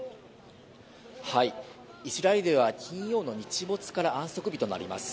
イスラエルでは金曜の日没から安息日となります。